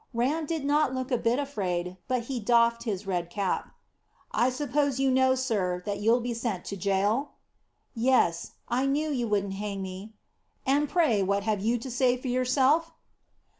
Ram did not look a bit afraid, but he doffed his red cap. "I suppose you know, sir, that you'll be sent to gaol?" "Yes. I knew you wouldn't hang me." "And pray what have you to say for yourself?"